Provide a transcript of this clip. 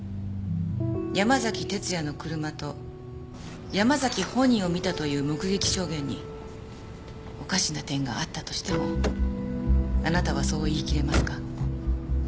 山崎哲也の車と山崎本人を見たという目撃証言におかしな点があったとしてもあなたはそう言い切れますか？